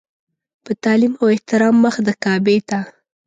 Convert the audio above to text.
په تعلیم او احترام مخ د کعبې ته.